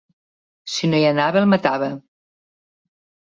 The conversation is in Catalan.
Si no hi anava el matava.